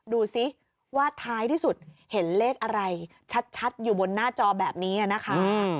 ดูสิว่าท้ายที่สุดเห็นเลขอะไรชัดอยู่บนหน้าจอแบบนี้นะคะ